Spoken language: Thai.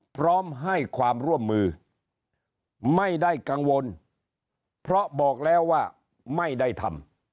พร้อมให้ความร่วมมือไม่ได้กังวลเพราะบอกแล้วว่าไม่ได้ทำ